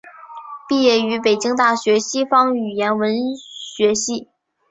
毕业于北京大学西方语言文学系。